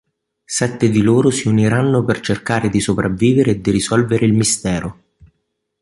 Sette di loro si uniranno per cercare di sopravvivere e di risolvere il mistero.